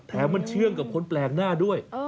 แถมมันเชื่องกับคนแปลกหน้าด้วย